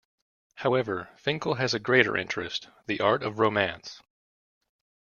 However, Finkle has a greater interest - the art of romance.